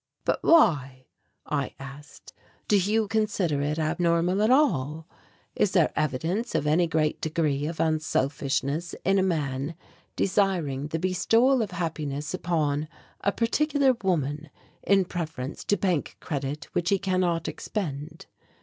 "But why," I asked, "do you consider it abnormal at all? Is there evidence of any great degree of unselfishness in a man desiring the bestowal of happiness upon a particular woman in preference to bank credit which he cannot expend?